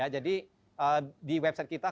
jadi di website kita